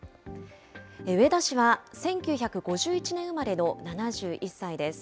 植田氏は１９５１年生まれの７１歳です。